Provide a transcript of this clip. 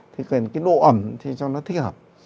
thì cần cái độ ẩm thì cho nó thích hợp